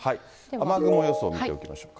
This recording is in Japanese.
雨雲予想見ておきましょう。